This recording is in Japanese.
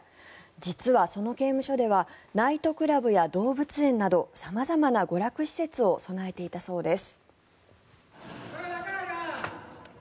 実はその刑務所ではナイトクラブや動物園など様々な娯楽施設を備えていたそうです。